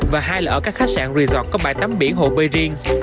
và hai là ở các khách sạn resort có bãi tắm biển hồ bơi riêng